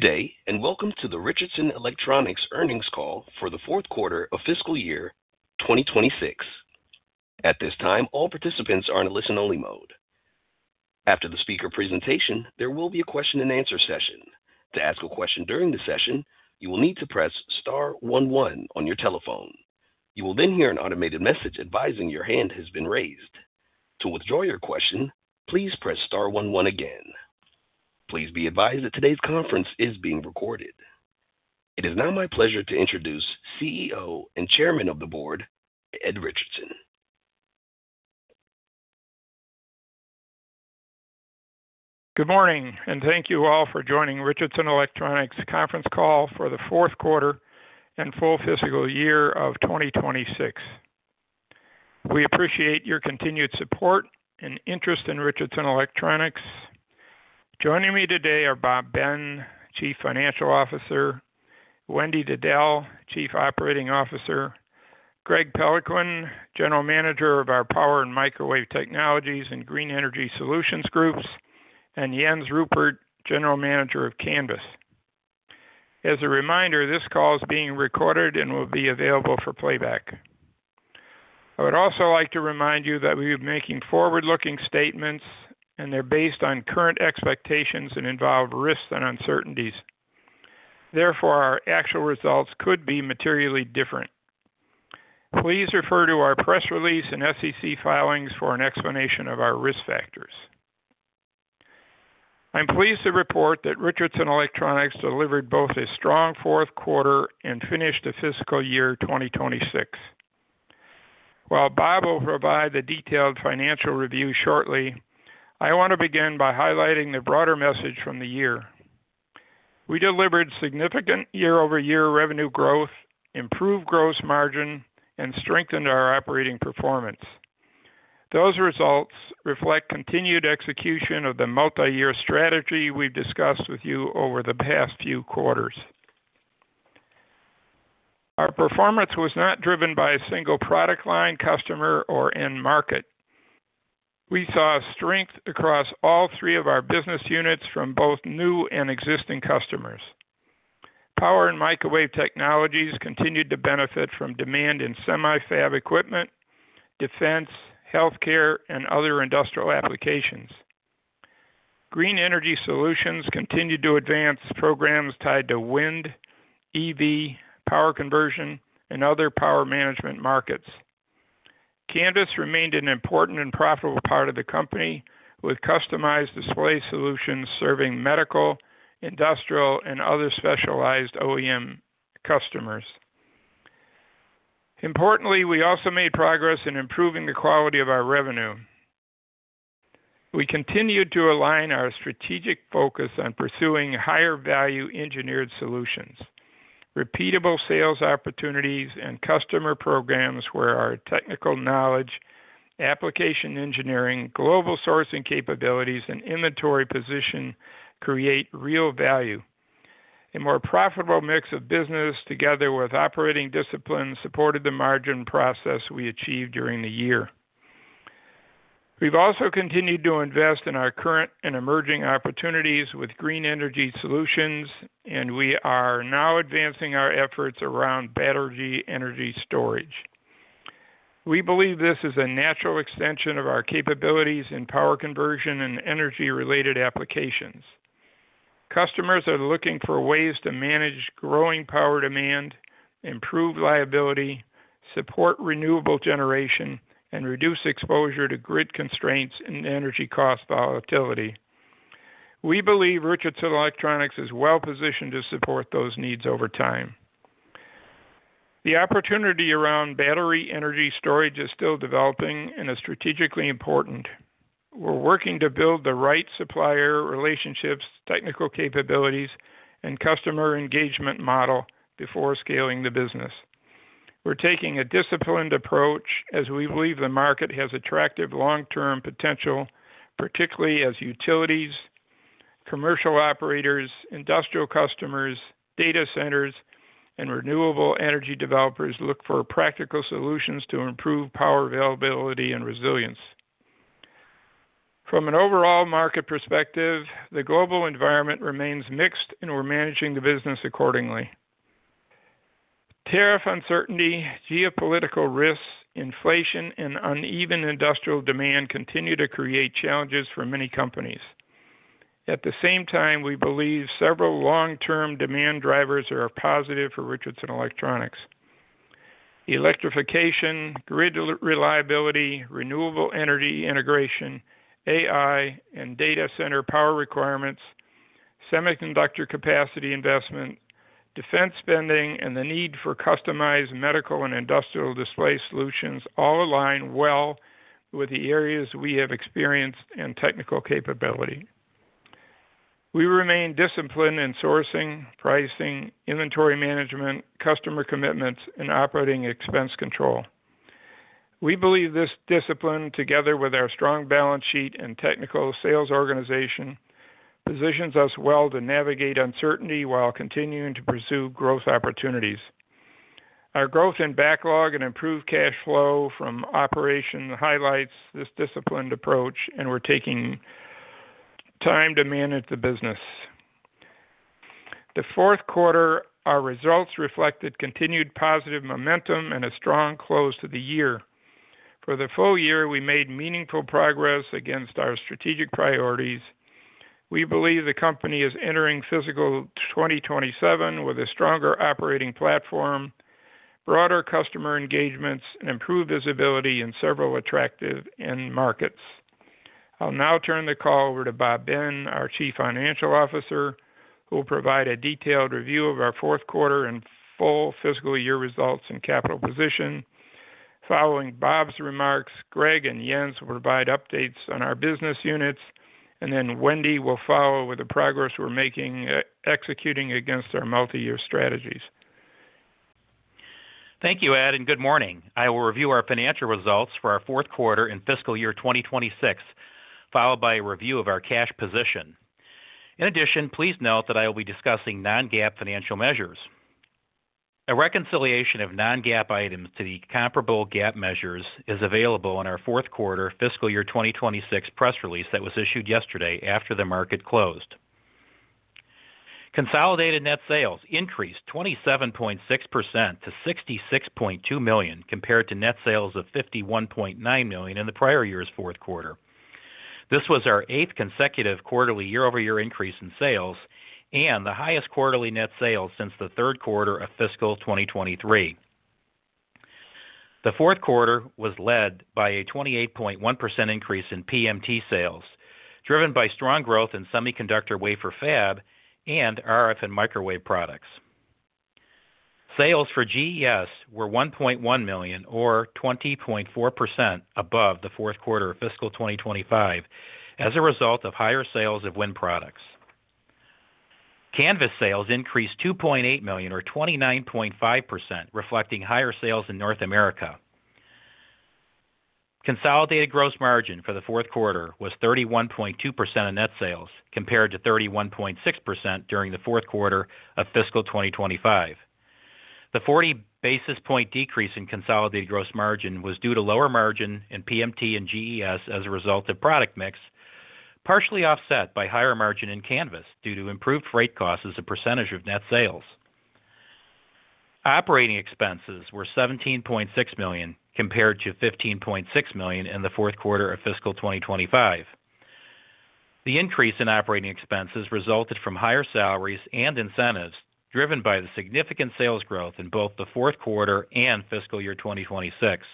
Good day, and welcome to the Richardson Electronics earnings call for the fourth quarter of fiscal year 2026. At this time, all participants are in listen only mode. After the speaker presentation, there will be a question and answer session. To ask a question during the session, you will need to press star one one on your telephone. You will then hear an automated message advising your hand has been raised. To withdraw your question, please press star one one again. Please be advised that today's conference is being recorded. It is now my pleasure to introduce CEO and Chairman of the Board, Ed Richardson. Good morning, and thank you all for joining Richardson Electronics conference call for the fourth quarter and full fiscal year of 2026. We appreciate your continued support and interest in Richardson Electronics. Joining me today are Bob Ben, Chief Financial Officer, Wendy Diddell, Chief Operating Officer, Greg Peloquin, General Manager of our Power & Microwave Technologies and Green Energy Solutions groups, and Jens Ruppert, General Manager of Canvys. As a reminder, this call is being recorded and will be available for playback. I would also like to remind you that we are making forward-looking statements, and they're based on current expectations and involve risks and uncertainties. Therefore, our actual results could be materially different. Please refer to our press release and SEC filings for an explanation of our risk factors. I'm pleased to report that Richardson Electronics delivered both a strong fourth quarter and finished the fiscal year 2026. While Bob will provide the detailed financial review shortly, I want to begin by highlighting the broader message from the year. We delivered significant year-over-year revenue growth, improved gross margin, and strengthened our operating performance. Those results reflect continued execution of the multi-year strategy we've discussed with you over the past few quarters. Our performance was not driven by a single product line, customer, or end market. We saw strength across all three of our business units from both new and existing customers. Power & Microwave Technologies continued to benefit from demand in semi-fab equipment, defense, healthcare, and other industrial applications. Green Energy Solutions continued to advance programs tied to wind, EV, power conversion, and other power management markets. Canvys remained an important and profitable part of the company with customized display solutions serving medical, industrial, and other specialized OEM customers. Importantly, we also made progress in improving the quality of our revenue. We continued to align our strategic focus on pursuing higher value engineered solutions, repeatable sales opportunities, and customer programs where our technical knowledge, application engineering, global sourcing capabilities, and inventory position create real value. A more profitable mix of business together with operating discipline supported the margin progress we achieved during the year. We've also continued to invest in our current and emerging opportunities with Green Energy Solutions, and we are now advancing our efforts around battery energy storage. We believe this is a natural extension of our capabilities in power conversion and energy-related applications. Customers are looking for ways to manage growing power demand, improve reliability, support renewable generation, and reduce exposure to grid constraints and energy cost volatility. We believe Richardson Electronics is well-positioned to support those needs over time. The opportunity around battery energy storage is still developing and is strategically important. We're working to build the right supplier relationships, technical capabilities, and customer engagement model before scaling the business. We're taking a disciplined approach as we believe the market has attractive long-term potential, particularly as utilities, commercial operators, industrial customers, data centers, and renewable energy developers look for practical solutions to improve power availability and resilience. From an overall market perspective, the global environment remains mixed, and we're managing the business accordingly. Tariff uncertainty, geopolitical risks, inflation, and uneven industrial demand continue to create challenges for many companies. At the same time, we believe several long-term demand drivers are a positive for Richardson Electronics. Electrification, grid reliability, renewable energy integration, AI and data center power requirements, semiconductor capacity investment, defense spending, and the need for customized medical and industrial display solutions all align well with the areas we have experience and technical capability. We remain disciplined in sourcing, pricing, inventory management, customer commitments, and operating expense control. We believe this discipline, together with our strong balance sheet and technical sales organization, positions us well to navigate uncertainty while continuing to pursue growth opportunities. Our growth in backlog and improved cash flow from operation highlights this disciplined approach, and we're taking time to manage the business. The fourth quarter, our results reflected continued positive momentum and a strong close to the year. For the full year, we made meaningful progress against our strategic priorities. We believe the company is entering fiscal 2027 with a stronger operating platform, broader customer engagements, and improved visibility in several attractive end markets. I'll now turn the call over to Bob Ben, our Chief Financial Officer, who will provide a detailed review of our fourth quarter and full fiscal year results and capital position. Following Bob's remarks, Greg and Jens will provide updates on our business units, then Wendy will follow with the progress we're making executing against our multi-year strategies. Thank you, Ed, and good morning. I will review our financial results for our fourth quarter and fiscal year 2026, followed by a review of our cash position. Please note that I will be discussing non-GAAP financial measures. A reconciliation of non-GAAP items to the comparable GAAP measures is available in our fourth quarter fiscal year 2026 press release that was issued yesterday after the market closed. Consolidated net sales increased 27.6% to $66.2 million, compared to net sales of $51.9 million in the prior year's fourth quarter. This was our eighth consecutive quarterly year-over-year increase in sales and the highest quarterly net sales since the third quarter of fiscal 2023. The fourth quarter was led by a 28.1% increase in PMT sales, driven by strong growth in semiconductor wafer fab and RF and microwave products. Sales for GES were $1.1 million, or 20.4% above the fourth quarter of fiscal 2025 as a result of higher sales of wind products. Canvys sales increased $2.8 million, or 29.5%, reflecting higher sales in North America. Consolidated gross margin for the fourth quarter was 31.2% of net sales, compared to 31.6% during the fourth quarter of fiscal 2025. The 40 basis point decrease in consolidated gross margin was due to lower margin in PMT and GES as a result of product mix, partially offset by higher margin in Canvys due to improved freight costs as a percentage of net sales. Operating expenses were $17.6 million, compared to $15.6 million in the fourth quarter of fiscal 2025. The increase in operating expenses resulted from higher salaries and incentives driven by the significant sales growth in both the fourth quarter and fiscal year 2026.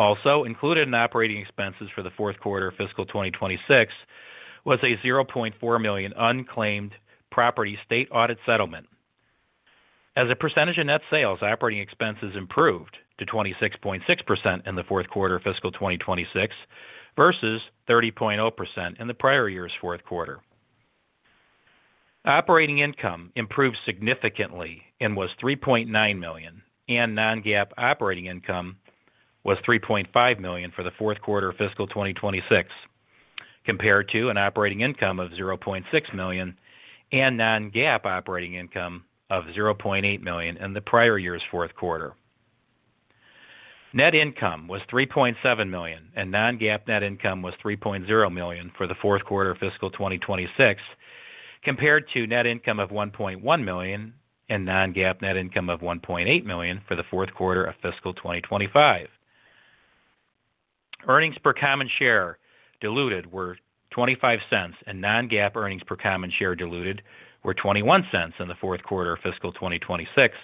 Also included in operating expenses for the fourth quarter of fiscal 2026 was a $0.4 million unclaimed property state audit settlement. As a percentage of net sales, operating expenses improved to 26.6% in the fourth quarter of fiscal 2026 versus 30.0% in the prior year's fourth quarter. Operating income improved significantly and was $3.9 million, and non-GAAP operating income was $3.5 million for the fourth quarter of fiscal 2026, compared to an operating income of $0.6 million and non-GAAP operating income of $0.8 million in the prior year's fourth quarter. Net income was $3.7 million, and non-GAAP net income was $3.0 million for the fourth quarter of fiscal 2026, compared to net income of $1.1 million and non-GAAP net income of $1.8 million for the fourth quarter of fiscal 2025. Earnings per common share diluted were $0.25, and non-GAAP earnings per common share diluted were $0.21 in the fourth quarter of fiscal 2026,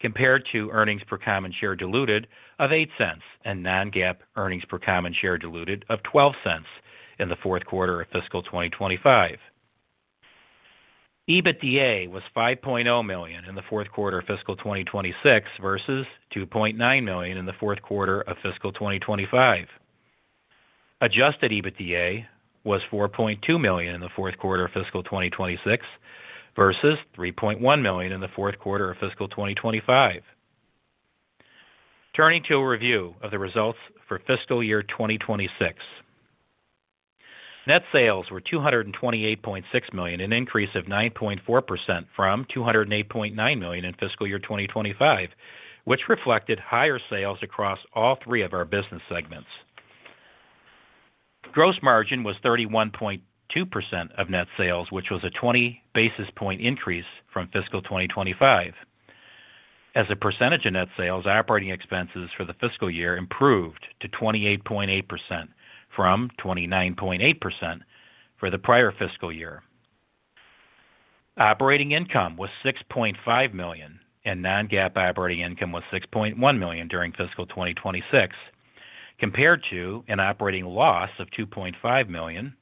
compared to earnings per common share diluted of $0.08 and non-GAAP earnings per common share diluted of $0.12 in the fourth quarter of fiscal 2025. EBITDA was $5.0 million in the fourth quarter of fiscal 2026 versus $2.9 million in the fourth quarter of fiscal 2025. Adjusted EBITDA was $4.2 million in the fourth quarter of fiscal 2026 versus $3.1 million in the fourth quarter of fiscal 2025. Turning to a review of the results for fiscal year 2026. Net sales were $228.6 million, an increase of 9.4% from $208.9 million in fiscal year 2025, which reflected higher sales across all three of our business segments. Gross margin was 31.2% of net sales, which was a 20 basis point increase from fiscal 2025. As a percentage of net sales, operating expenses for the fiscal year improved to 28.8% from 29.8% for the prior fiscal year. Operating income was $6.5 million, and non-GAAP operating income was $6.1 million during fiscal 2026, compared to an operating loss of $2.5 million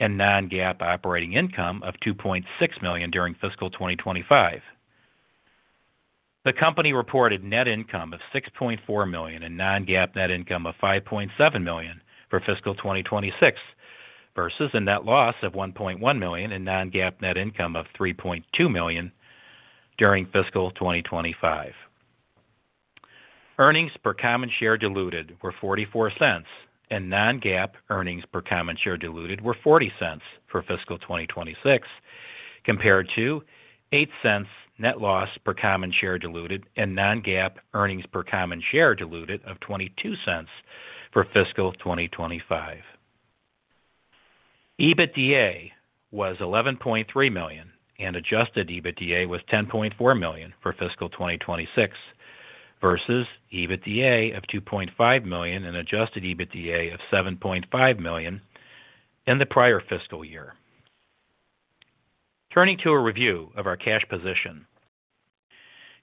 and non-GAAP operating income of $2.6 million during fiscal 2025. The company reported net income of $6.4 million and non-GAAP net income of $5.7 million for fiscal 2026 versus a net loss of $1.1 million and non-GAAP net income of $3.2 million during fiscal 2025. Earnings per common share diluted were $0.44 and non-GAAP earnings per common share diluted were $0.40 for fiscal 2026, compared to $0.08 net loss per common share diluted and non-GAAP earnings per common share diluted of $0.22 for fiscal 2025. EBITDA was $11.3 million and adjusted EBITDA was $10.4 million for fiscal 2026 versus EBITDA of $2.5 million and adjusted EBITDA of $7.5 million in the prior fiscal year. Turning to a review of our cash position.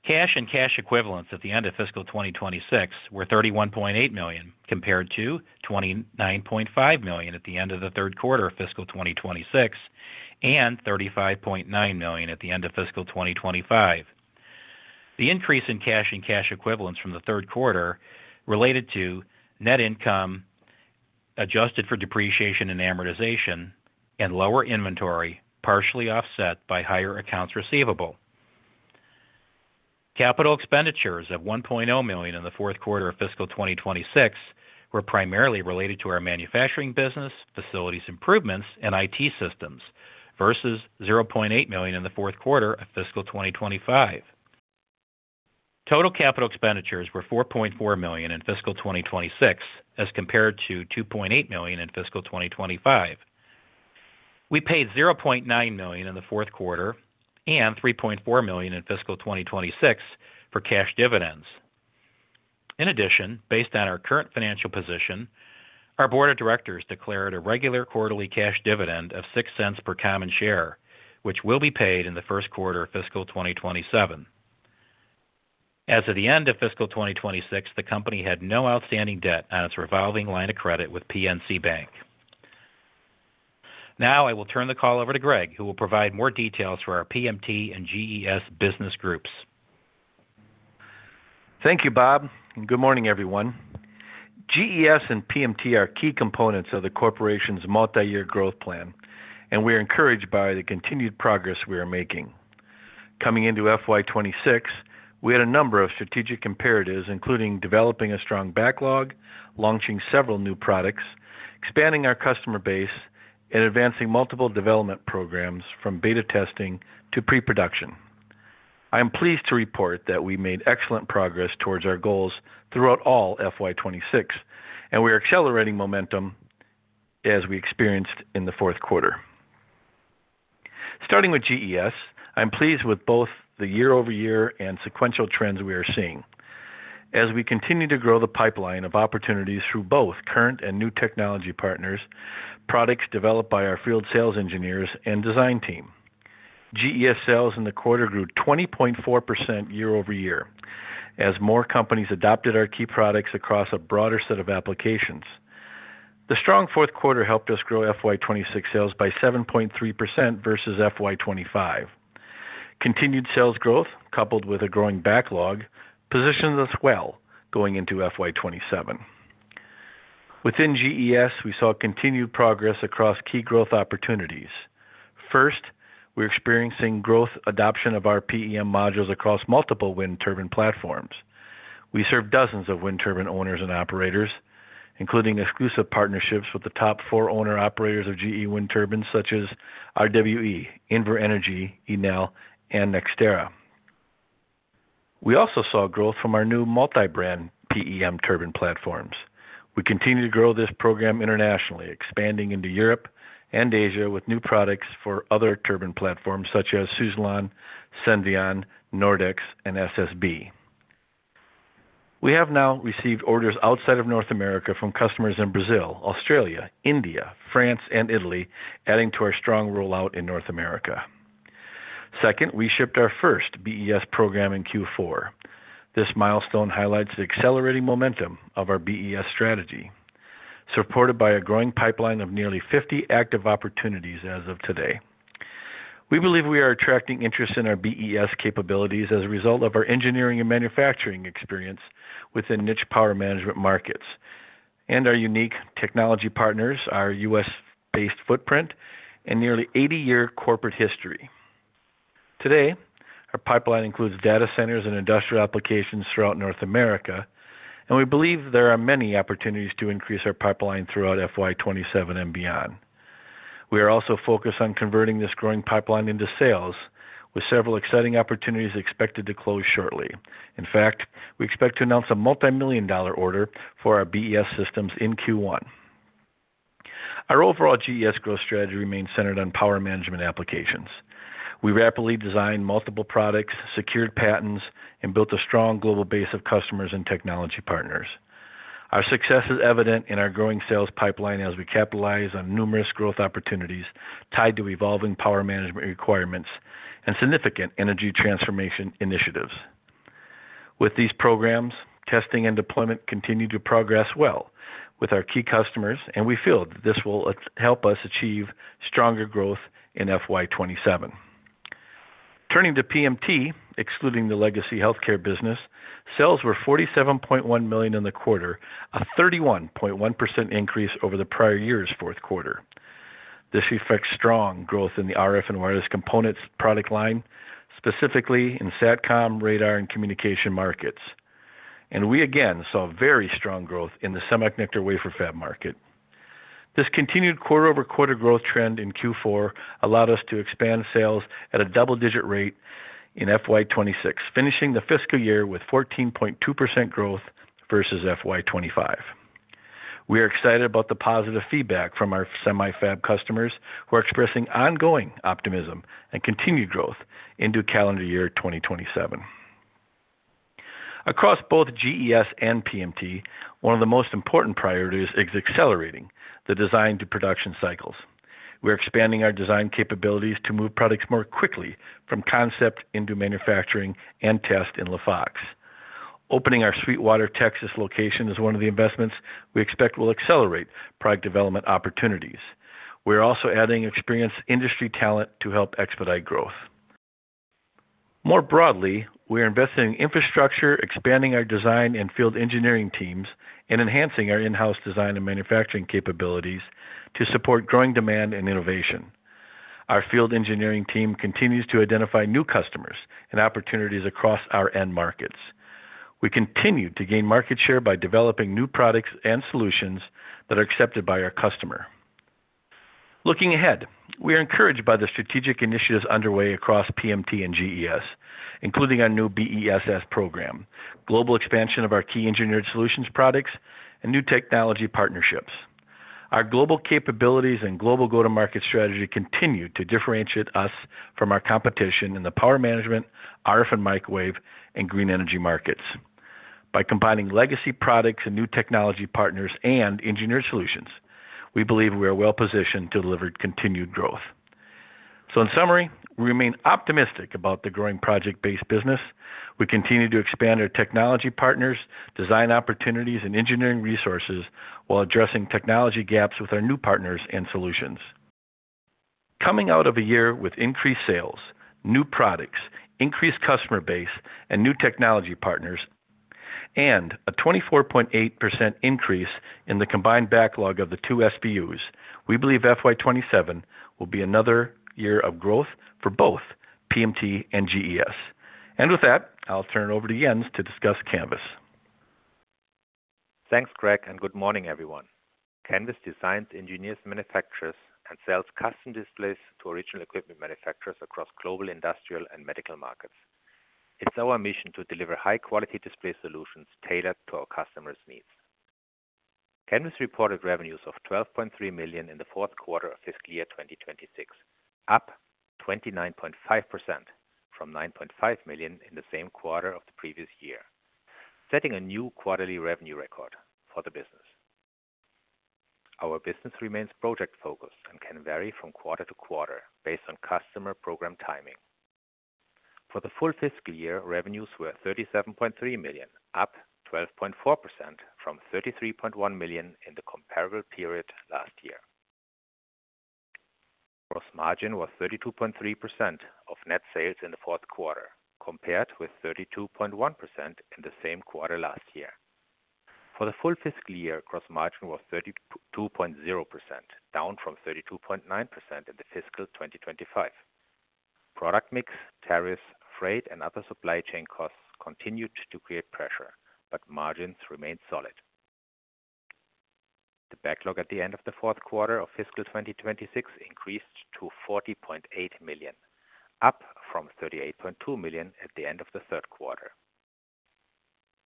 Cash and cash equivalents at the end of fiscal 2026 were $31.8 million compared to $29.5 million at the end of the third quarter of fiscal 2026 and $35.9 million at the end of fiscal 2025. The increase in cash and cash equivalents from the third quarter related to net income, adjusted for depreciation and amortization and lower inventory, partially offset by higher accounts receivable. Capital expenditures of $1.0 million in the fourth quarter of fiscal 2026 were primarily related to our manufacturing business, facilities improvements, and IT systems versus $0.8 million in the fourth quarter of fiscal 2025. Total capital expenditures were $4.4 million in fiscal 2026 as compared to $2.8 million in fiscal 2025. We paid $0.9 million in the fourth quarter and $3.4 million in fiscal 2026 for cash dividends. In addition, based on our current financial position, our Board of Directors declared a regular quarterly cash dividend of $0.06 per common share, which will be paid in the first quarter of fiscal 2027. As of the end of fiscal 2026, the company had no outstanding debt on its revolving line of credit with PNC Bank. Now, I will turn the call over to Greg, who will provide more details for our PMT and GES business groups. Thank you, Bob, and good morning, everyone. GES and PMT are key components of the corporation's multi-year growth plan. We are encouraged by the continued progress we are making. Coming into FY 2026, we had a number of strategic imperatives, including developing a strong backlog, launching several new products, expanding our customer base, and advancing multiple development programs from beta testing to pre-production. I am pleased to report that we made excellent progress towards our goals throughout all FY 2026. We are accelerating momentum as we experienced in the fourth quarter. Starting with GES, I'm pleased with both the year-over-year and sequential trends we are seeing as we continue to grow the pipeline of opportunities through both current and new technology partners, products developed by our field sales engineers, and design team. GES sales in the quarter grew 20.4% year-over-year as more companies adopted our key products across a broader set of applications. The strong fourth quarter helped us grow FY 2026 sales by 7.3% versus FY 2025. Continued sales growth, coupled with a growing backlog, positions us well going into FY 2027. Within GES, we saw continued progress across key growth opportunities. First, we're experiencing growth adoption of our PEM modules across multiple wind turbine platforms. We serve dozens of wind turbine owners and operators, including exclusive partnerships with the top four owner-operators of GE wind turbines such as RWE, Invenergy, Enel, and NextEra. We also saw growth from our new multi-brand PEM turbine platforms. We continue to grow this program internationally, expanding into Europe and Asia with new products for other turbine platforms such as Suzlon, Senvion, Nordex, and SSB. We have now received orders outside of North America from customers in Brazil, Australia, India, France, and Italy, adding to our strong rollout in North America. We shipped our first BES program in Q4. This milestone highlights the accelerating momentum of our BES strategy, supported by a growing pipeline of nearly 50 active opportunities as of today. We believe we are attracting interest in our BES capabilities as a result of our engineering and manufacturing experience within niche power management markets and our unique technology partners, our U.S.-based footprint, and nearly 80-year corporate history. Today, our pipeline includes data centers and industrial applications throughout North America, and we believe there are many opportunities to increase our pipeline throughout FY 2027 and beyond. We are also focused on converting this growing pipeline into sales, with several exciting opportunities expected to close shortly. In fact, we expect to announce a multimillion-dollar order for our BES systems in Q1. Our overall GES growth strategy remains centered on power management applications. We rapidly designed multiple products, secured patents, and built a strong global base of customers and technology partners. Our success is evident in our growing sales pipeline as we capitalize on numerous growth opportunities tied to evolving power management requirements and significant energy transformation initiatives. With these programs, testing and deployment continue to progress well with our key customers, and we feel that this will help us achieve stronger growth in FY 2027. Turning to PMT, excluding the legacy healthcare business, sales were $47.1 million in the quarter, a 31.1% increase over the prior year's fourth quarter. This reflects strong growth in the RF and wireless components product line, specifically in SATCOM, radar, and communication markets. We again saw very strong growth in the semiconductor wafer fab market. This continued quarter-over-quarter growth trend in Q4 allowed us to expand sales at a double-digit rate in FY 2026, finishing the fiscal year with 14.2% growth versus FY 2025. We are excited about the positive feedback from our semi fab customers, who are expressing ongoing optimism and continued growth into calendar year 2027. Across both GES and PMT, one of the most important priorities is accelerating the design-to-production cycles. We're expanding our design capabilities to move products more quickly from concept into manufacturing and test in La Fox. Opening our Sweetwater, Texas location is one of the investments we expect will accelerate product development opportunities. We're also adding experienced industry talent to help expedite growth. More broadly, we are investing in infrastructure, expanding our design and field engineering teams, and enhancing our in-house design and manufacturing capabilities to support growing demand and innovation. Our field engineering team continues to identify new customers and opportunities across our end markets. We continue to gain market share by developing new products and solutions that are accepted by our customer. Looking ahead, we are encouraged by the strategic initiatives underway across PMT and GES, including our new BESS program, global expansion of our key engineered solutions products, and new technology partnerships. Our global capabilities and global go-to-market strategy continue to differentiate us from our competition in the power management, RF and microwave, and green energy markets. By combining legacy products and new technology partners and engineered solutions, we believe we are well positioned to deliver continued growth. In summary, we remain optimistic about the growing project-based business. We continue to expand our technology partners, design opportunities, and engineering resources while addressing technology gaps with our new partners and solutions. Coming out of a year with increased sales, new products, increased customer base, and new technology partners, and a 24.8% increase in the combined backlog of the two SBUs, we believe FY 2027 will be another year of growth for both PMT and GES. With that, I'll turn it over to Jens to discuss Canvys. Thanks, Greg, and good morning, everyone. Canvys designs, engineers, manufactures, and sells custom displays to original equipment manufacturers across global, industrial, and medical markets. It's our mission to deliver high-quality display solutions tailored to our customers' needs. Canvys reported revenues of $12.3 million in the fourth quarter of fiscal year 2026, up 29.5% from $9.5 million in the same quarter of the previous year, setting a new quarterly revenue record for the business. Our business remains project-focused and can vary from quarter to quarter based on customer program timing. For the full fiscal year, revenues were $37.3 million, up 12.4% from $33.1 million in the comparable period last year. Gross margin was 32.3% of net sales in the fourth quarter, compared with 32.1% in the same quarter last year. For the full fiscal year, gross margin was 32.0%, down from 32.9% in the fiscal 2025. Product mix, tariffs, freight, and other supply chain costs continued to create pressure, but margins remained solid. The backlog at the end of the fourth quarter of fiscal 2026 increased to $40.8 million, up from $38.2 million at the end of the third quarter.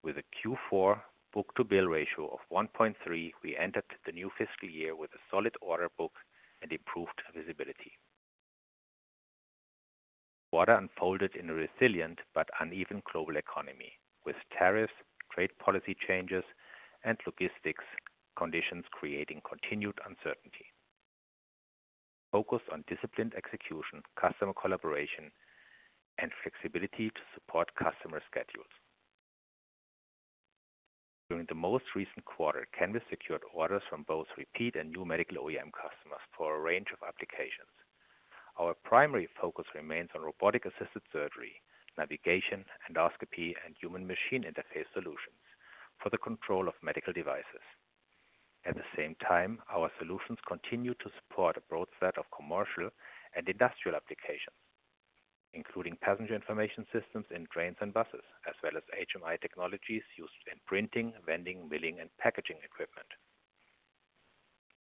With a Q4 book-to-bill ratio of 1.3, we entered the new fiscal year with a solid order book and improved visibility. The quarter unfolded in a resilient but uneven global economy, with tariffs, trade policy changes, and logistics conditions creating continued uncertainty. Focus on disciplined execution, customer collaboration, and flexibility to support customer schedules. During the most recent quarter, Canvys secured orders from both repeat and new medical OEM customers for a range of applications. Our primary focus remains on robotic-assisted surgery, navigation, endoscopy, and human machine interface solutions for the control of medical devices. At the same time, our solutions continue to support a broad set of commercial and industrial applications, including passenger information systems in trains and buses, as well as HMI technologies used in printing, vending, milling, and packaging equipment.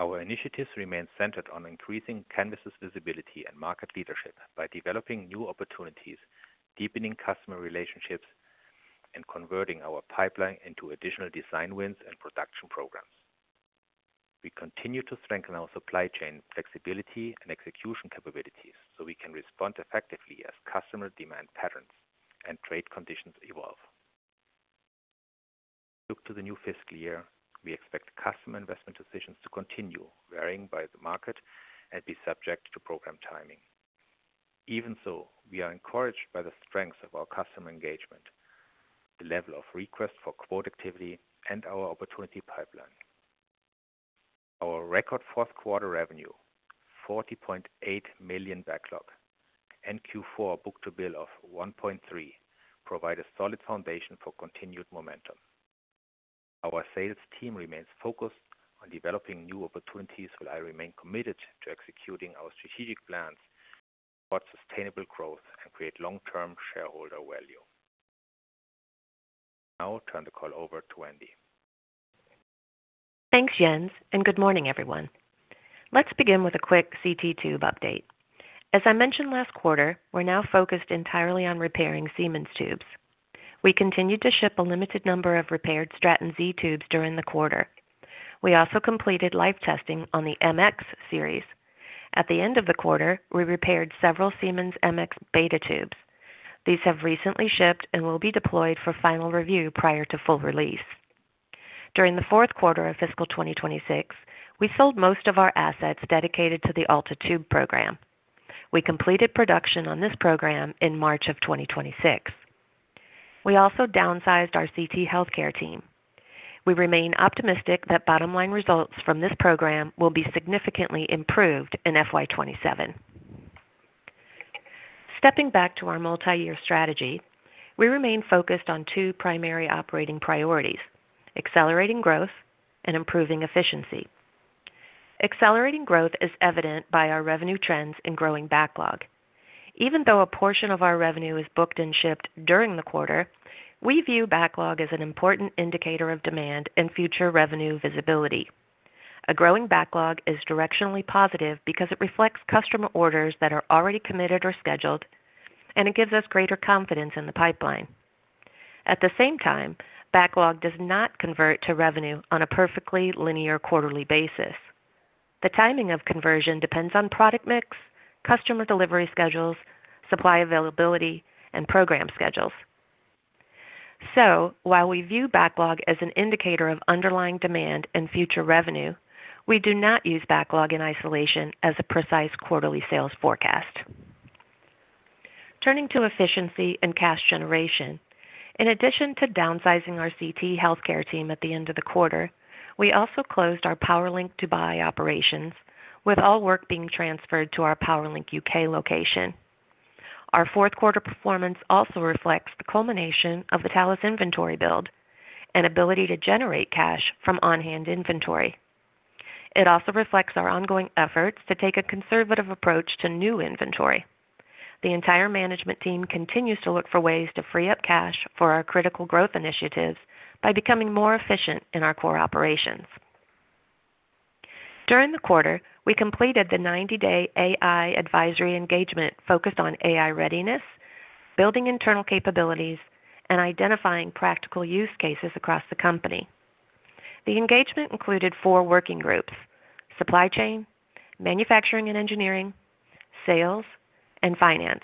Our initiatives remain centered on increasing Canvys' visibility and market leadership by developing new opportunities, deepening customer relationships, and converting our pipeline into additional design wins and production programs. We continue to strengthen our supply chain flexibility and execution capabilities so we can respond effectively as customer demand patterns and trade conditions evolve. Looking to the new fiscal year, we expect customer investment decisions to continue varying by the market and be subject to program timing. Even so, we are encouraged by the strength of our customer engagement, the level of request for quote activity, and our opportunity pipeline. Our record fourth quarter revenue, $40.8 million backlog, and Q4 book-to-bill of 1.3 provide a solid foundation for continued momentum. Our sales team remains focused on developing new opportunities, while I remain committed to executing our strategic plans toward sustainable growth and create long-term shareholder value. Now I'll turn the call over to Wendy. Thanks, Jens, and good morning, everyone. Let's begin with a quick CT tube update. As I mentioned last quarter, we're now focused entirely on repairing Siemens tubes. We continued to ship a limited number of repaired Straton Z tubes during the quarter. We also completed life testing on the MX series. At the end of the quarter, we repaired several Siemens MX beta tubes. These have recently shipped and will be deployed for final review prior to full release. During the fourth quarter of fiscal 2026, we sold most of our assets dedicated to the ALTA tube program. We completed production on this program in March of 2026. We also downsized our CT healthcare team. We remain optimistic that bottom-line results from this program will be significantly improved in FY 2027. Stepping back to our multi-year strategy, we remain focused on two primary operating priorities, accelerating growth and improving efficiency. Accelerating growth is evident by our revenue trends in growing backlog. Even though a portion of our revenue is booked and shipped during the quarter, we view backlog as an important indicator of demand and future revenue visibility. A growing backlog is directionally positive because it reflects customer orders that are already committed or scheduled, and it gives us greater confidence in the pipeline. At the same time, backlog does not convert to revenue on a perfectly linear quarterly basis. The timing of conversion depends on product mix, customer delivery schedules, supply availability, and program schedules. While we view backlog as an indicator of underlying demand and future revenue, we do not use backlog in isolation as a precise quarterly sales forecast. Turning to efficiency and cash generation, in addition to downsizing our CT healthcare team at the end of the quarter, we also closed our Powerlink Dubai operations, with all work being transferred to our Powerlink U.K. location. Our fourth quarter performance also reflects the culmination of the Thales inventory build and ability to generate cash from on-hand inventory. It also reflects our ongoing efforts to take a conservative approach to new inventory. The entire management team continues to look for ways to free up cash for our critical growth initiatives by becoming more efficient in our core operations. During the quarter, we completed the 90-day AI advisory engagement focused on AI readiness, building internal capabilities, and identifying practical use cases across the company. The engagement included four working groups, supply chain, manufacturing and engineering, sales, and finance,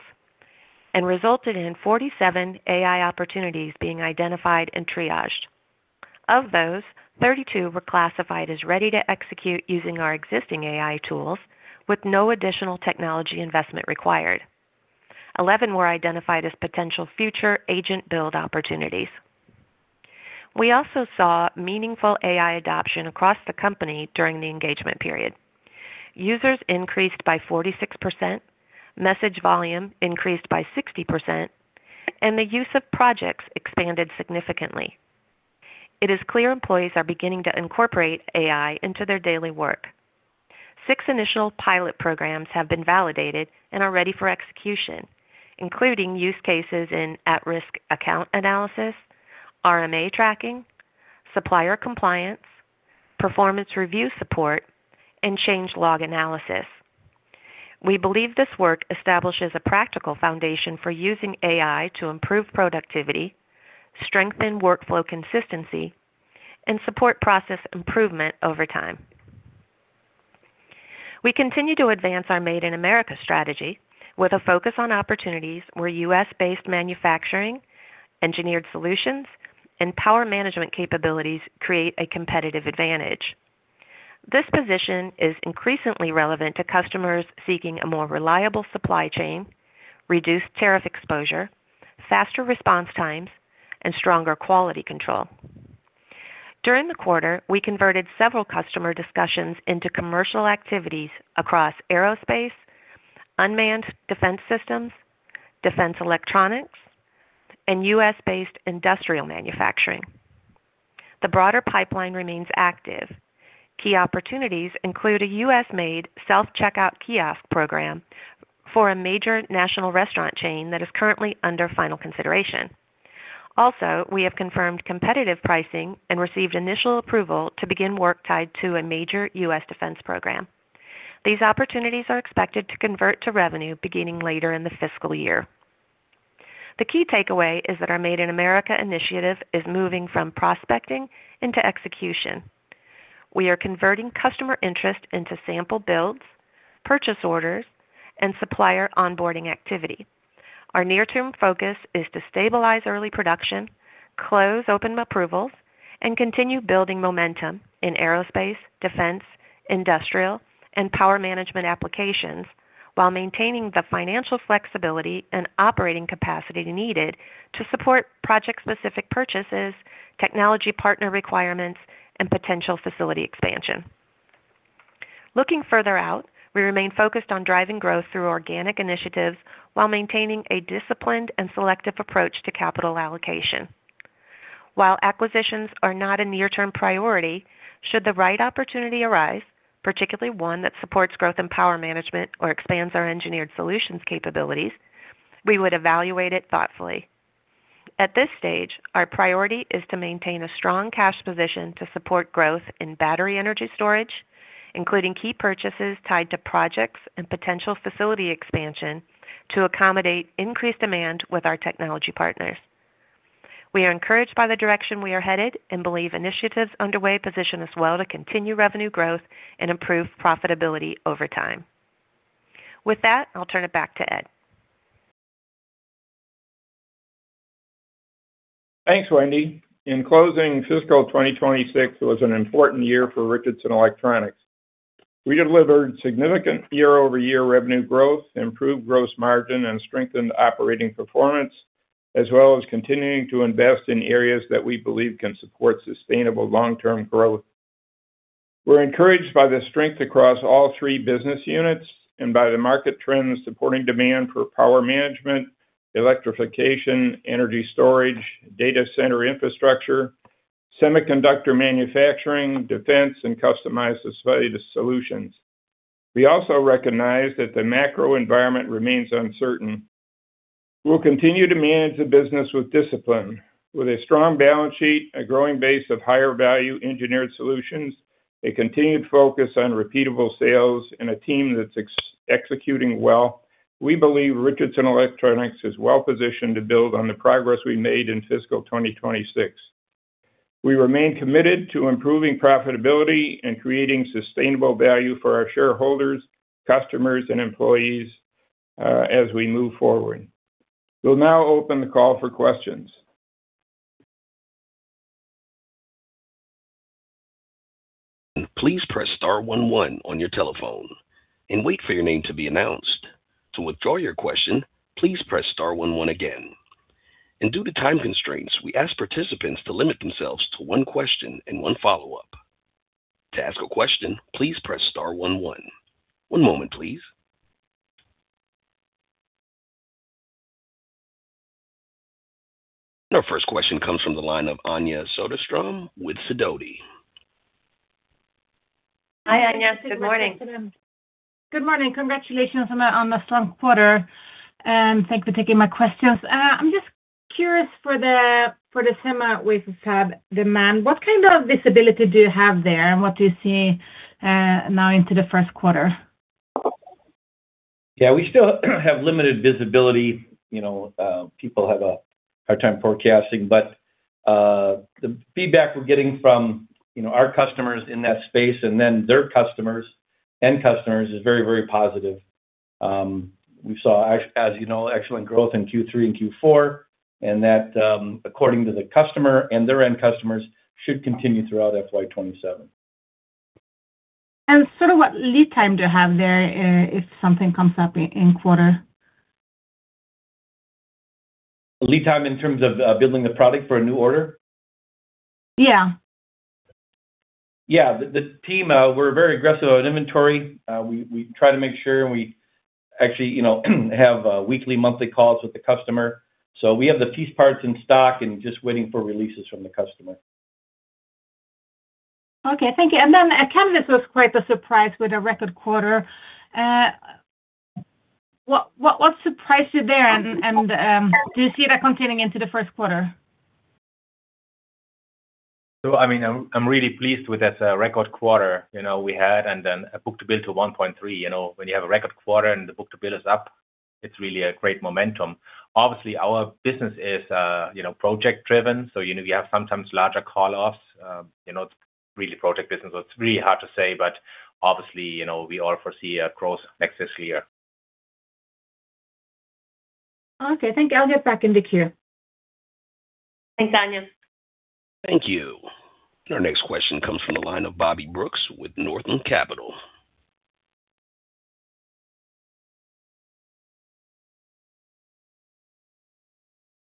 and resulted in 47 AI opportunities being identified and triaged. Of those, 32 were classified as ready to execute using our existing AI tools with no additional technology investment required. 11 were identified as potential future agent build opportunities. We also saw meaningful AI adoption across the company during the engagement period. Users increased by 46%, message volume increased by 60%, and the use of projects expanded significantly. It is clear employees are beginning to incorporate AI into their daily work. Six initial pilot programs have been validated and are ready for execution, including use cases in at-risk account analysis, RMA tracking, supplier compliance, performance review support, and change log analysis. We believe this work establishes a practical foundation for using AI to improve productivity, strengthen workflow consistency, and support process improvement over time. We continue to advance our Made in America strategy with a focus on opportunities where U.S.-based manufacturing, engineered solutions, and power management capabilities create a competitive advantage. This position is increasingly relevant to customers seeking a more reliable supply chain, reduced tariff exposure, faster response times, and stronger quality control. During the quarter, we converted several customer discussions into commercial activities across aerospace, unmanned defense systems, defense electronics, and U.S.-based industrial manufacturing. The broader pipeline remains active. Key opportunities include a U.S.-made self-checkout kiosk program for a major national restaurant chain that is currently under final consideration. We have confirmed competitive pricing and received initial approval to begin work tied to a major U.S. Defense program. These opportunities are expected to convert to revenue beginning later in the fiscal year. The key takeaway is that our Made in America initiative is moving from prospecting into execution. We are converting customer interest into sample builds, purchase orders, and supplier onboarding activity. Our near-term focus is to stabilize early production, close open approvals, and continue building momentum in aerospace, defense, industrial, and power management applications while maintaining the financial flexibility and operating capacity needed to support project-specific purchases, technology partner requirements, and potential facility expansion. Looking further out, we remain focused on driving growth through organic initiatives while maintaining a disciplined and selective approach to capital allocation. Acquisitions are not a near-term priority, should the right opportunity arise, particularly one that supports growth in power management or expands our engineered solutions capabilities, we would evaluate it thoughtfully. At this stage, our priority is to maintain a strong cash position to support growth in battery energy storage, including key purchases tied to projects and potential facility expansion to accommodate increased demand with our technology partners. We are encouraged by the direction we are headed and believe initiatives underway position us well to continue revenue growth and improve profitability over time. I'll turn it back to Ed. Thanks, Wendy. In closing, fiscal 2026 was an important year for Richardson Electronics. We delivered significant year-over-year revenue growth, improved gross margin, and strengthened operating performance, as well as continuing to invest in areas that we believe can support sustainable long-term growth. We're encouraged by the strength across all three business units and by the market trends supporting demand for power management, electrification, energy storage, data center infrastructure, semiconductor manufacturing, defense, and customized solutions. We also recognize that the macro environment remains uncertain. We'll continue to manage the business with discipline. With a strong balance sheet, a growing base of higher value-engineered solutions, a continued focus on repeatable sales, and a team that's executing well, we believe Richardson Electronics is well-positioned to build on the progress we made in fiscal 2026. We remain committed to improving profitability and creating sustainable value for our shareholders, customers, and employees as we move forward. We'll now open the call for questions. Please press star one one on your telephone and wait for your name to be announced. To withdraw your question, please press star one one again. Due to time constraints, we ask participants to limit themselves to one question and one follow-up. To ask a question, please press star one one. One moment, please. Our first question comes from the line of Anja Soderstrom with Sidoti. Hi, Anja. Good morning. Good morning. Thanks for taking my questions. I'm just curious for the semi wafer fab demand, what kind of visibility do you have there, and what do you see now into the first quarter? We still have limited visibility. People have a hard time forecasting, the feedback we're getting from our customers in that space and then their customers, end customers, is very positive. We saw, as you know, excellent growth in Q3 and Q4, that, according to the customer and their end customers, should continue throughout FY 2027. Sort of what lead time do you have there if something comes up in quarter? Lead time in terms of building the product for a new order? Yeah. The team, we're very aggressive on inventory. We try to make sure we actually have weekly, monthly calls with the customer. We have the piece parts in stock and just waiting for releases from the customer. Okay. Thank you. Canvys was quite the surprise with a record quarter. What surprised you there, and do you see that continuing into the first quarter? I'm really pleased with that record quarter we had, book-to-bill to 1.3. When you have a record quarter and the book-to-bill is up, it's really a great momentum. Obviously, our business is project-driven, we have sometimes larger call-offs. It's really project business, it's really hard to say, obviously, we all foresee a growth next fiscal year. Okay. Thank you. I'll get back in the queue. Thanks, Anja. Thank you. Our next question comes from the line of Bobby Brooks with Northland Capital.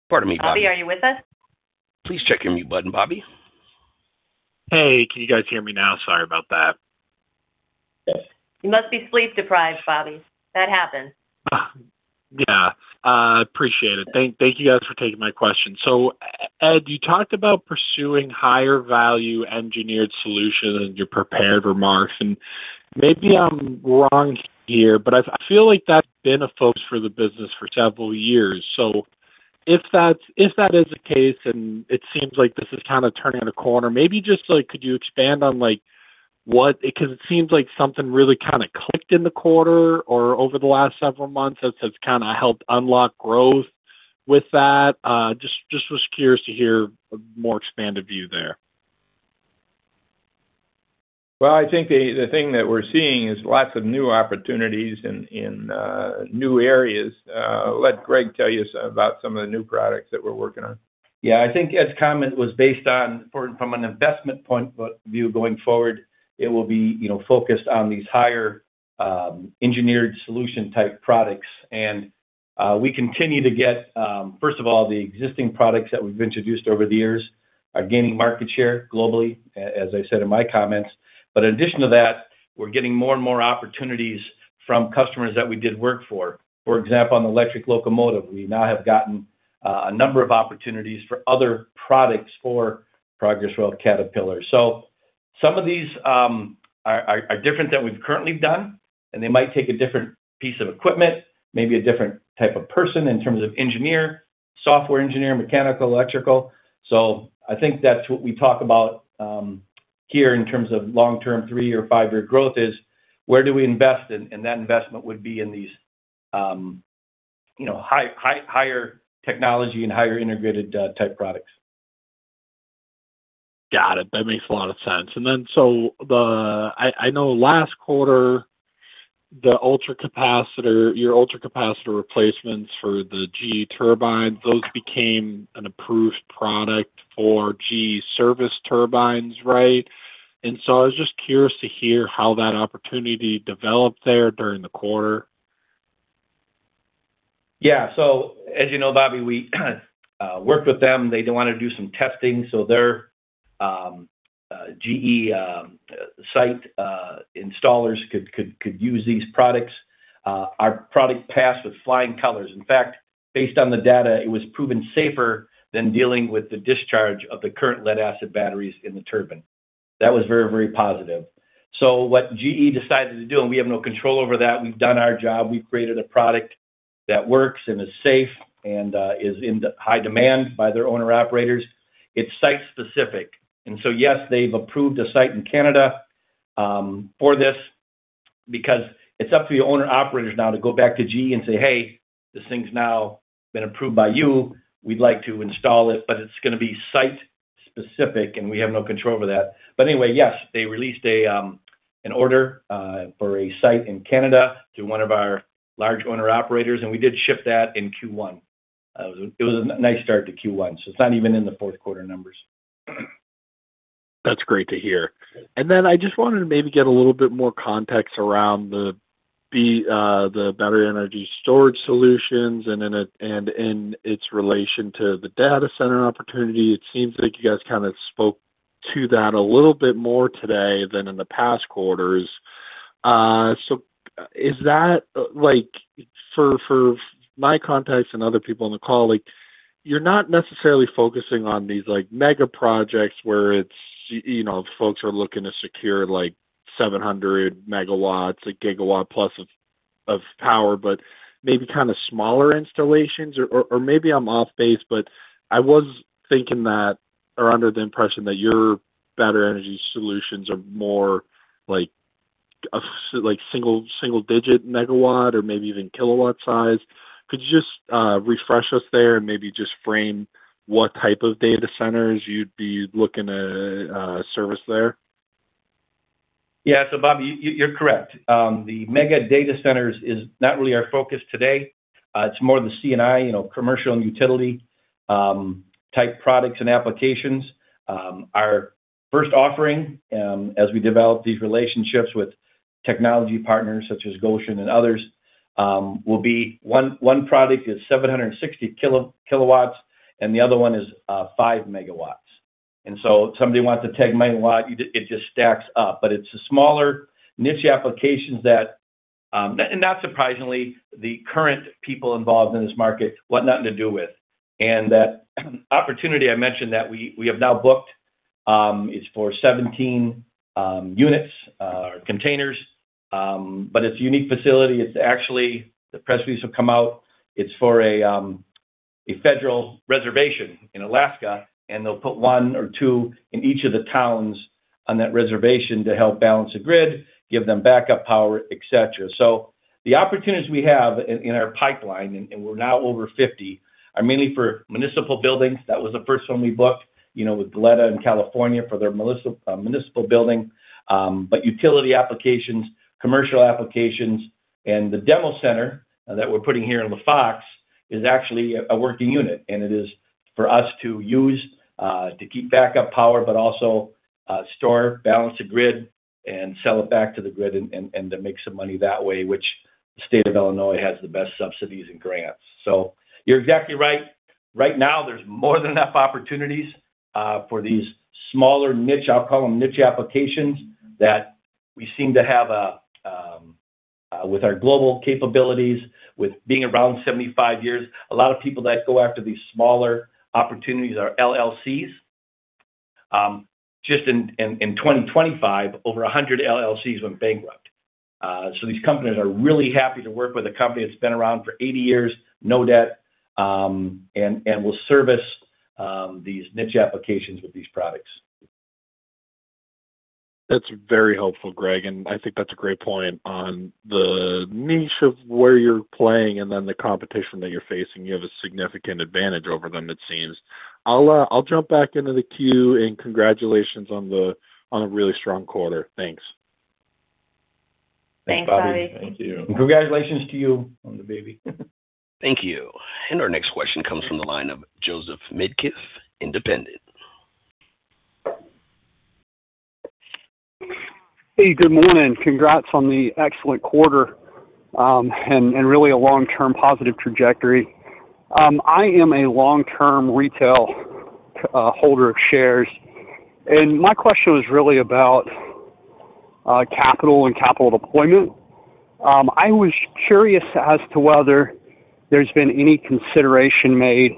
Pardon me, Bobby. Bobby, are you with us? Please check your mute button, Bobby. Hey, can you guys hear me now? Sorry about that. You must be sleep-deprived, Bobby. That happens. Yeah. I appreciate it. Thank you guys for taking my question. Ed, you talked about pursuing higher value-engineered solution in your prepared remarks, and maybe I'm wrong here, but I feel like that's been a focus for the business for several years. If that is the case, and it seems like this is kind of turning a corner, maybe just could you expand on what-- because it seems like something really kind of clicked in the quarter or over the last several months that has kind of helped unlock growth with that. Just was curious to hear a more expanded view there. Well, I think the thing that we're seeing is lots of new opportunities in new areas. I'll let Greg tell you about some of the new products that we're working on. Yeah, I think Ed's comment was based on from an investment point view going forward, it will be focused on these higher engineered solution-type products. We continue to get, first of all, the existing products that we've introduced over the years are gaining market share globally, as I said in my comments. In addition to that, we're getting more and more opportunities from customers that we did work for. For example, on the electric locomotive, we now have gotten a number of opportunities for other products for Progress Rail Caterpillar. Some of these are different than we've currently done, and they might take a different piece of equipment, maybe a different type of person in terms of engineer, software engineer, mechanical, electrical. I think that's what we talk about here in terms of long-term three or five-year growth is where do we invest, and that investment would be in these higher technology and higher integrated type products. Got it. That makes a lot of sense. I know last quarter, your ultracapacitor replacements for the GE turbines, those became an approved product for GE service turbines, right? I was just curious to hear how that opportunity developed there during the quarter. Yeah. As you know, Bobby, we worked with them. They wanted to do some testing so their GE site installers could use these products. Our product passed with flying colors. In fact, based on the data, it was proven safer than dealing with the discharge of the current lead-acid batteries in the turbine. That was very positive. What GE decided to do, and we have no control over that, we've done our job. We've created a product that works and is safe and is in high demand by their owner-operators. It's site-specific. Yes, they've approved a site in Canada for this because it's up to the owner-operators now to go back to GE and say, "Hey, this thing's now been approved by you. We'd like to install it," it's going to be site-specific, and we have no control over that. Anyway, yes, they released an order for a site in Canada to one of our large owner-operators, and we did ship that in Q1. It was a nice start to Q1, so it's not even in the fourth quarter numbers. That's great to hear. Then I just wanted to maybe get a little bit more context around the battery energy storage solutions and in its relation to the data center opportunity. It seems like you guys kind of spoke to that a little bit more today than in the past quarters. Is that, for my context and other people on the call, you're not necessarily focusing on these mega projects where folks are looking to secure 700 MW, a gigawatt-plus of power, but maybe kind of smaller installations? Maybe I'm off base, but I was thinking that or under the impression that your battery energy solutions are more like single-digit megawatt or maybe even kilowatt size. Could you just refresh us there and maybe just frame what type of data centers you'd be looking to service there? Bobby, you're correct. The mega data centers is not really our focus today. It's more the C&I, commercial and utility-type products and applications. Our first offering, as we develop these relationships with technology partners such as Gotion and others, will be one product is 760 kW, and the other one is 5 MW. If somebody wants a 10 MW, it just stacks up. It's the smaller niche applications that, not surprisingly, the current people involved in this market want nothing to do with. That opportunity I mentioned that we have now booked is for 17 units or containers, but it's a unique facility. It's actually, the press release will come out, it's for a federal reservation in Alaska, and they'll put one or two in each of the towns on that reservation to help balance the grid, give them backup power, et cetera. The opportunities we have in our pipeline, and we're now over 50, are mainly for municipal buildings. That was the first one we booked with Goleta in California for their municipal building. Utility applications, commercial applications, and the demo center that we're putting here in La Fox is actually a working unit, and it is for us to use to keep backup power, but also store, balance the grid, and sell it back to the grid, and to make some money that way, which the state of Illinois has the best subsidies and grants. You're exactly right. Right now, there's more than enough opportunities for these smaller niche, I'll call them niche applications that we seem to have with our global capabilities, with being around 75 years. A lot of people that go after these smaller opportunities are LLCs. Just in 2025, over 100 LLCs went bankrupt. These companies are really happy to work with a company that's been around for 80 years, no debt, and will service these niche applications with these products. That's very helpful, Greg, and I think that's a great point on the niche of where you're playing and then the competition that you're facing. You have a significant advantage over them, it seems. I'll jump back into the queue, and congratulations on a really strong quarter. Thanks. Thanks, Bobby. Thank you. Congratulations to you on the baby. Thank you. Our next question comes from the line of [Joseph Midkiff], Independent. Hey, good morning. Congrats on the excellent quarter, and really a long-term positive trajectory. I am a long-term retail holder of shares, and my question was really about capital and capital deployment. I was curious as to whether there's been any consideration made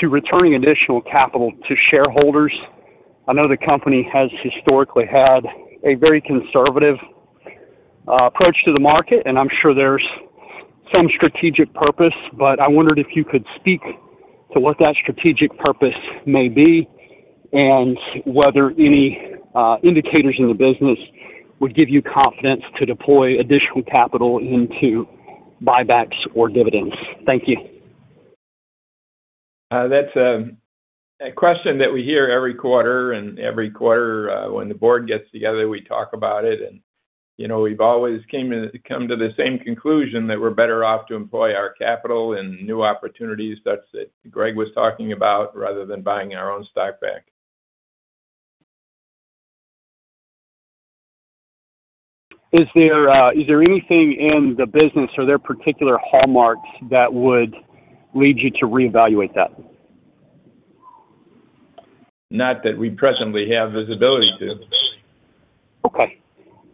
to returning additional capital to shareholders. I know the company has historically had a very conservative approach to the market, and I'm sure there's some strategic purpose, but I wondered if you could speak to what that strategic purpose may be, and whether any indicators in the business would give you confidence to deploy additional capital into buybacks or dividends. Thank you. That's a question that we hear every quarter, and every quarter, when the board gets together, we talk about it and we've always come to the same conclusion that we're better off to employ our capital in new opportunities that Greg was talking about rather than buying our own stock back. Is there anything in the business or there particular hallmarks that would lead you to reevaluate that? Not that we presently have visibility to. Okay.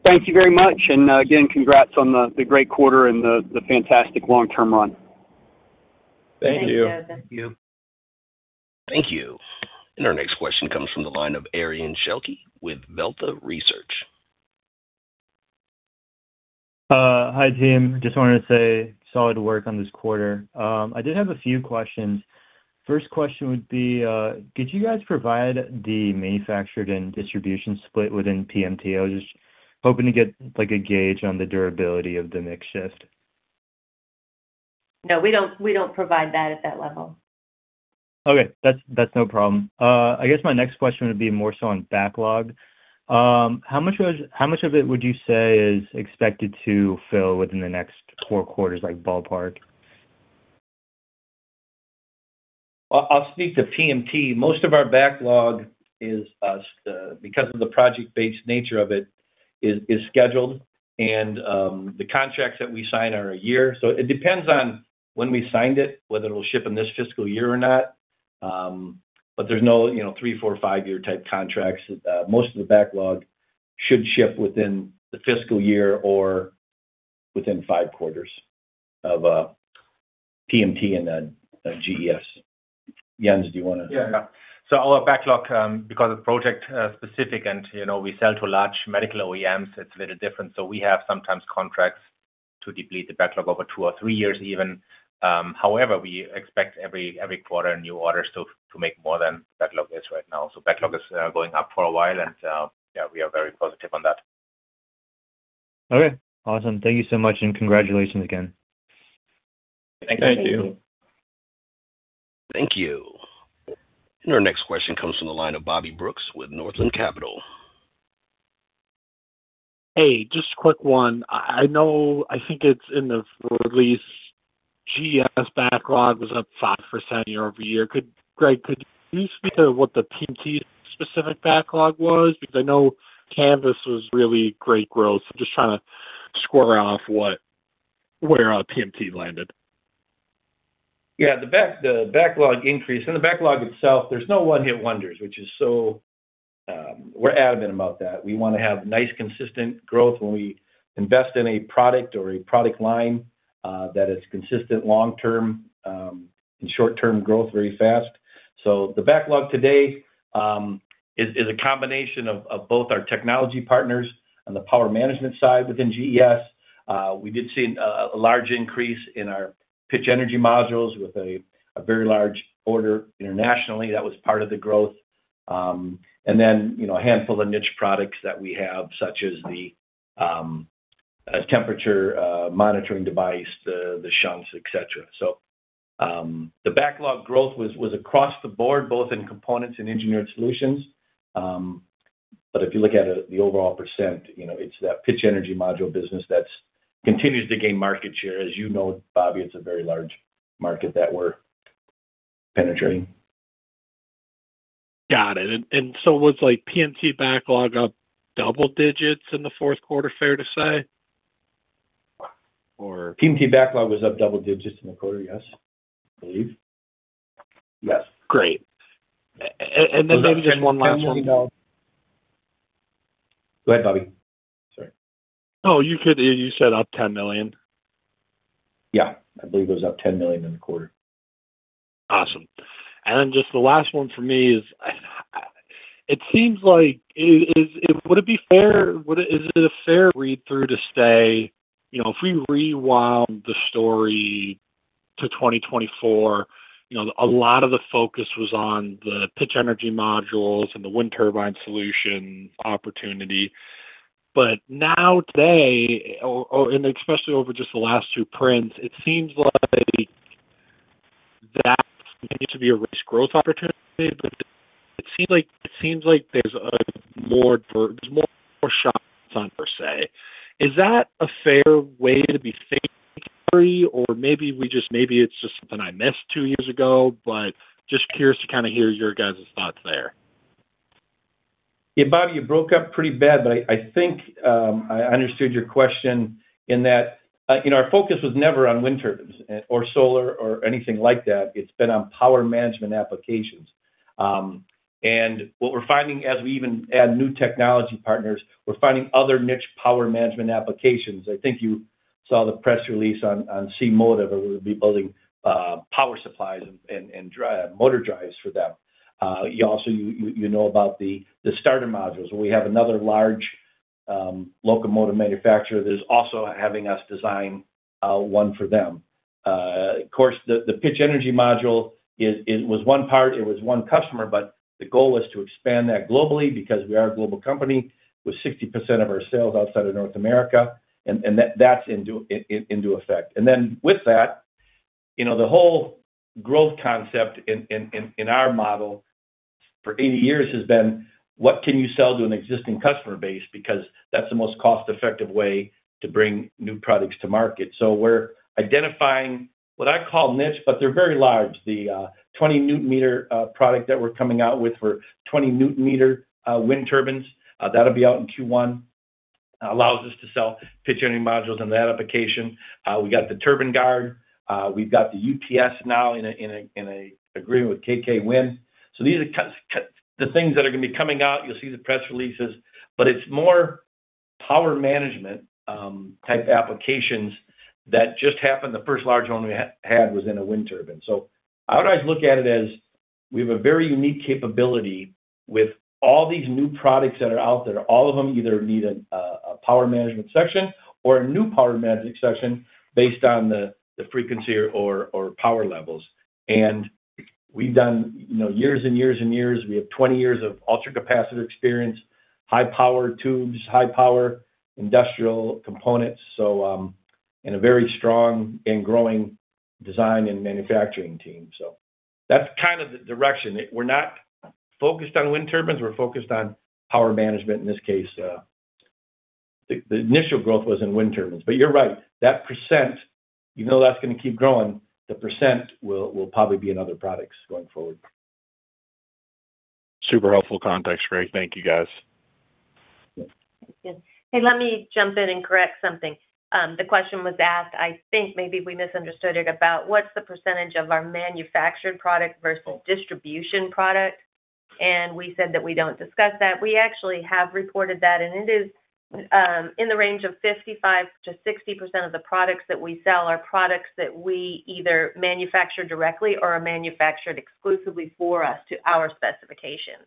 Thank you very much, again, congrats on the great quarter and the fantastic long-term run. Thank you. Thank you. Thank you. Our next question comes from the line of [Arian Schilke with Velta Research]. Hi, team. Just wanted to say solid work on this quarter. I did have a few questions. First question would be, could you guys provide the manufactured and distribution split within PMT? I was just hoping to get a gauge on the durability of the mix shift. No, we don't provide that at that level. Okay. That's no problem. I guess my next question would be more so on backlog. How much of it would you say is expected to fill within the next four quarters, like ballpark? I'll speak to PMT. Most of our backlog is, because of the project-based nature of it, is scheduled, and the contracts that we sign are a year. It depends on when we signed it, whether it'll ship in this fiscal year or not. There's no three, four, five-year type contracts. Most of the backlog should ship within the fiscal year or within five quarters of PMT and GES. Jens, do you want to- Yeah. Our backlog, because it's project-specific and we sell to large medical OEMs, it's a little different. We have sometimes contracts to deplete the backlog over two or three years even. However, we expect every quarter new orders to make more than backlog is right now. Backlog is going up for a while and, yeah, we are very positive on that. Okay, awesome. Thank you so much, and congratulations again. Thank you. Thank you. Our next question comes from the line of Bobby Brooks with Northland Capital. Hey, just a quick one. I think it's in the release, GES backlog was up 5% year-over-year. Greg, could you speak to what the PMT specific backlog was? Because I know Canvys was really great growth, so I'm just trying to square off where PMT landed. Yeah. The backlog increase and the backlog itself, there's no one-hit wonders. We're adamant about that. We want to have nice, consistent growth when we invest in a product or a product line, that it's consistent long-term, and short-term growth very fast. The backlog today, is a combination of both our technology partners on the power management side within GES. We did see a large increase in our Pitch Energy Modules with a very large order internationally that was part of the growth. Then, a handful of niche products that we have, such as the temperature monitoring device, the shunts, et cetera. The backlog growth was across the board, both in components and engineered solutions. If you look at the overall percent, it's that Pitch Energy Module business that continues to gain market share. As you know, Bobby, it's a very large market that we're penetrating. Got it. Was PMT backlog up double digits in the fourth quarter fair to say? PMT backlog was up double digits in the quarter, yes. I believe. Yes. Great. Maybe just one last one. Go ahead, Bobby. Sorry. Oh, you said up $10 million? Yeah. I believe it was up $10 million in the quarter. Awesome. Just the last one for me is it a fair read-through to say, if we rewound the story to 2024, a lot of the focus was on the Pitch Energy Modules and the wind turbine solution opportunity. Now today, and especially over just the last two prints, it seems like that continues to be a risk growth opportunity, but it seems like there's more shine on, per se. Is that a fair way to be or maybe it's just something I missed two years ago, but just curious to hear your guys' thoughts there. Yeah, Bobby, you broke up pretty bad, but I think I understood your question in that our focus was never on wind turbines or solar or anything like that. It's been on power management applications. What we're finding as we even add new technology partners, we're finding other niche power management applications. I think you saw the press release on C-Motive, where we'll be building power supplies and motor drives for them. Also, you know about the starter modules, where we have another large locomotive manufacturer that is also having us design one for them. Of course, the Pitch Energy Module, it was one part, it was one customer, but the goal was to expand that globally because we are a global company with 60% of our sales outside of North America, and that's into effect. With that, the whole growth concept in our model for 80 years has been what can you sell to an existing customer base? Because that's the most cost-effective way to bring new products to market. We're identifying what I call niche, but they're very large. The 20 N m product that we're coming out with for 20 N m wind turbines, that'll be out in Q1, allows us to sell Pitch Energy Modules in that application. We got the TurbineGuard. We've got the UPS now in an agreement with KK Wind. These are the things that are going to be coming out. You'll see the press releases, but it's more power management-type applications that just happened. The first large one we had was in a wind turbine. I would always look at it as we have a very unique capability with all these new products that are out there. All of them either need a power management section or a new power management section based on the frequency or power levels. We've done years and years and years. We have 20 years of ultra-capacitor experience, high-power tubes, high-power industrial components, and a very strong and growing design and manufacturing team. That's kind of the direction. We're not focused on wind turbines. We're focused on power management. In this case, the initial growth was in wind turbines. You're right, that percent, even though that's going to keep growing, the percent will probably be in other products going forward. Super helpful context, Greg. Thank you, guys. Hey, let me jump in and correct something. The question was asked, I think maybe we misunderstood it, about what's the percentage of our manufactured product versus distribution product, and we said that we don't discuss that. We actually have reported that, and it is in the range of 55%-60% of the products that we sell are products that we either manufacture directly or are manufactured exclusively for us to our specifications.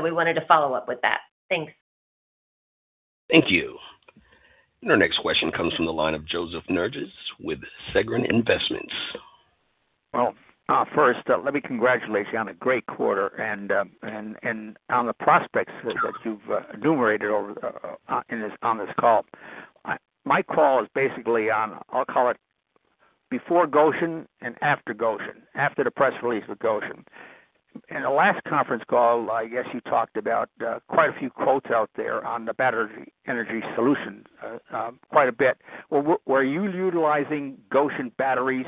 We wanted to follow up with that. Thanks. Thank you. Our next question comes from the line of Joseph Nerges with Segren Investments. Well, first, let me congratulate you on a great quarter and on the prospects that you've enumerated on this call. My call is basically on, I'll call it before Gotion and after Gotion, after the press release with Gotion. In the last conference call, I guess you talked about quite a few quotes out there on the battery energy solution quite a bit. Were you utilizing Gotion Batteries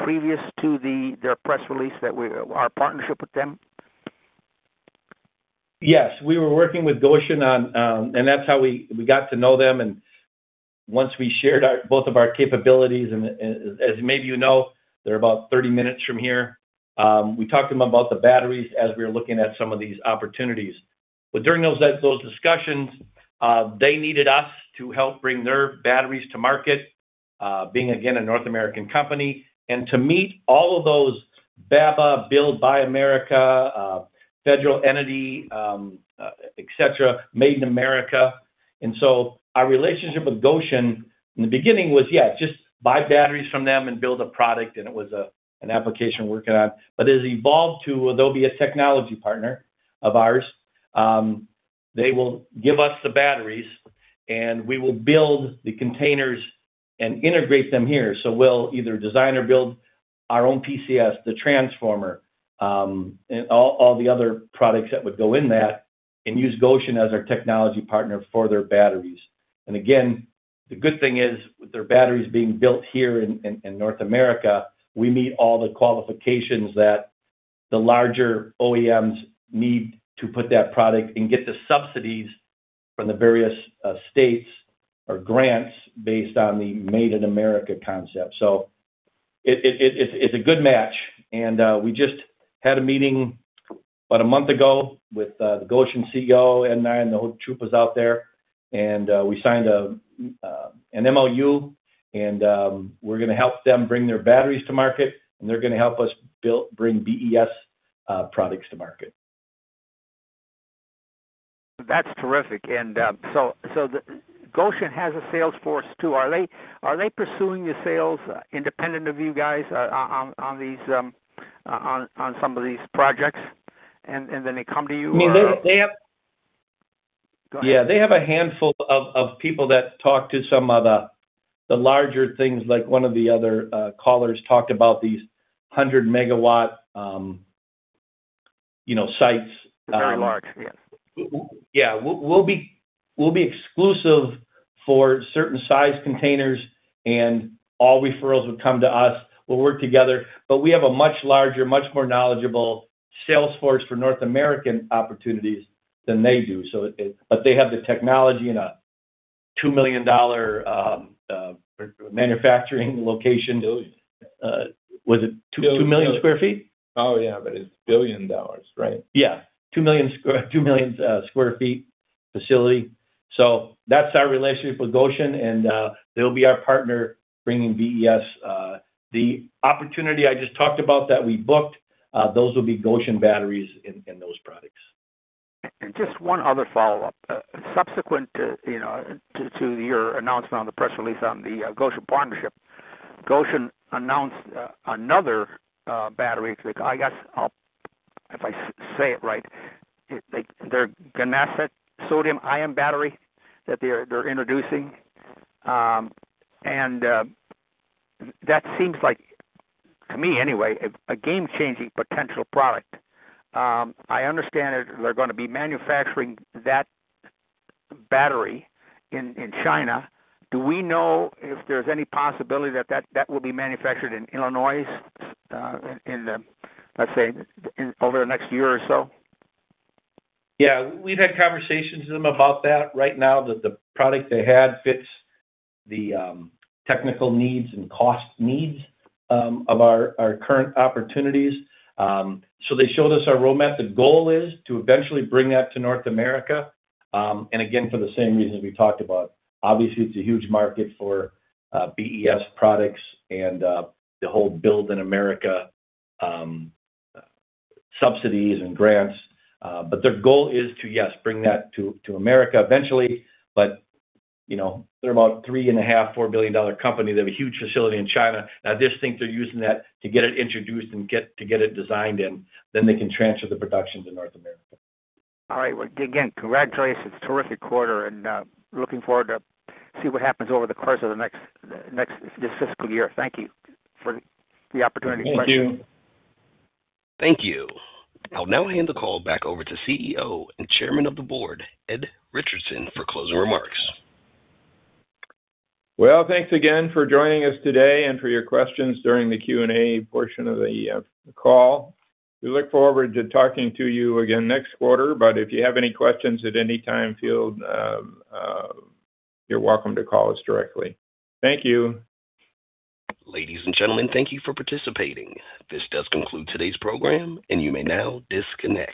previous to their press release, our partnership with them? Yes. We were working with Gotion, and that's how we got to know them, and once we shared both of our capabilities, and as maybe you know, they're about 30 minutes from here. We talked to them about the batteries as we were looking at some of these opportunities. During those discussions, they needed us to help bring their batteries to market, being, again, a North American company, and to meet all of those BABA, Build, Buy America, federal entity, et cetera, Made in America. Our relationship with Gotion in the beginning was, yeah, just buy batteries from them and build a product, and it was an application we're working on. It has evolved to where they'll be a technology partner of ours. They will give us the batteries, and we will build the containers and integrate them here. We'll either design or build our own PCS, the transformer, and all the other products that would go in that, and use Gotion as our technology partner for their batteries. Again, the good thing is, with their batteries being built here in North America, we meet all the qualifications that the larger OEMs need to put that product and get the subsidies from the various states or grants based on the Made in America concept. It's a good match, and we just had a meeting about a month ago with the Gotion CEO, Ed and I, and the whole troop was out there, and we signed an MOU, and we're going to help them bring their batteries to market, and they're going to help us bring BES products to market. That's terrific. Gotion has a sales force, too. Are they pursuing the sales independent of you guys on some of these projects, and then they come to you? Yeah, they have a handful of people that talk to some of the larger things, like one of the other callers talked about these 100 MW- Very large, yeah. Yeah. We'll be exclusive for certain size containers, and all referrals would come to us. We'll work together. We have a much larger, much more knowledgeable sales force for North American opportunities than they do. They have the technology and a $2 million manufacturing location. Billions. Was it 2 million square feet? Oh, yeah. It's billion dollars, right? Yeah. 2 million square feet facility. That's our relationship with Gotion, and they'll be our partner bringing BES the opportunity I just talked about that we booked, those will be Gotion batteries in those products. Just one other follow-up. Subsequent to your announcement on the press release on the Gotion partnership, Gotion announced another battery, I guess, if I say it right, their Gnascent sodium ion battery that they're introducing. That seems like, to me anyway, a game-changing potential product. I understand they're going to be manufacturing that battery in China. Do we know if there's any possibility that that will be manufactured in Illinois, let's say, over the next year or so? Yeah. We've had conversations with them about that. Right now, the product they had fits the technical needs and cost needs of our current opportunities. They showed us our road map. The goal is to eventually bring that to North America. Again, for the same reasons we talked about, obviously, it's a huge market for BES products and the whole Build in America subsidies and grants. Their goal is to, yes, bring that to America eventually, but they're about $3.5 billion, $4 billion company. They have a huge facility in China. I just think they're using that to get it introduced and to get it designed in, then they can transfer the production to North America. All right. Well, again, congratulations. Terrific quarter, looking forward to see what happens over the course of this fiscal year. Thank you for the opportunity. Thank you. Thank you. I'll now hand the call back over to CEO and Chairman of the Board, Ed Richardson, for closing remarks. Well, thanks again for joining us today and for your questions during the Q&A portion of the call. We look forward to talking to you again next quarter, but if you have any questions at any time feel, you're welcome to call us directly. Thank you. Ladies and gentlemen, thank you for participating. This does conclude today's program, and you may now disconnect.